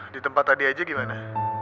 di tempat tadi aja gimana